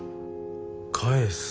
返す。